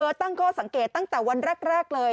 ตั้งข้อสังเกตตั้งแต่วันแรกเลย